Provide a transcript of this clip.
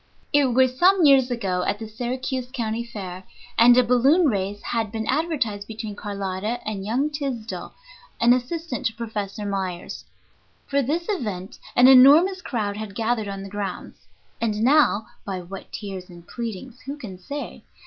It was some years ago, at the Syracuse County Fair, and a balloon race had been advertised between Carlotta and young Tysdell, an assistant of Professor Myers. For this event an enormous crowd had gathered on the grounds. And now (by what tears and pleadings who can say?)